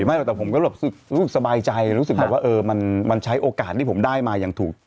ในชนบุรีแต่ผมก็รู้สบายใจรู้สึกว่ามันใช้โอกาสที่ผมได้มาอย่างถูก